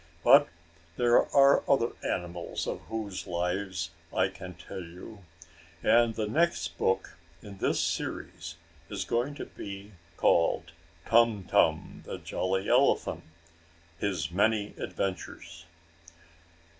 But there are other animals of whose lives I can tell you, and the next book in this series is going to be called "Tum Tum, the Jolly Elephant: His Many Adventures."